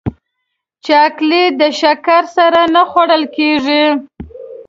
چاکلېټ د شکر سره نه خوړل کېږي.